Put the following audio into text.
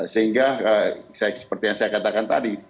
sehingga seperti yang saya katakan tadi